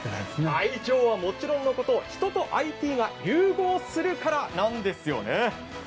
愛情はもちろんのこと人とＩＴが融合するからなんですよね。